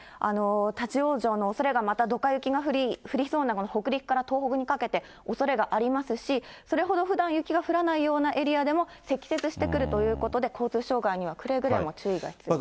立往生のおそれがまた、どか雪が降りそうなこの北陸から東北にかけておそれがありますし、それほどふだん雪が降らないようなエリアでも積雪してくるということで、交通障害にはくれぐれも注意が必要です。